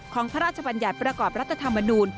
พระราชบัญญัติประกอบรัฐธรรมนูล